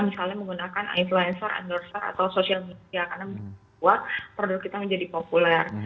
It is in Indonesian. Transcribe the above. misalnya menggunakan influencer endorser atau social media karena membuat produk kita menjadi populer